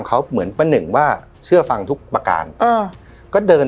เขาเหมือนป้าหนึ่งว่าเชื่อฟังทุกประการอ่าก็เดิน